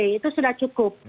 itu sudah cukup